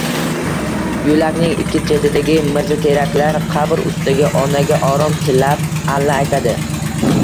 Yo‘lakning ikki chetidagi mirzateraklar qabr ustiga onaga orom tilab alla aytadi.